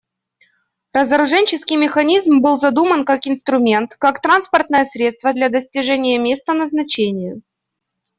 Разоруженческий механизм был задуман как инструмент, как транспортное средство для достижения места назначения.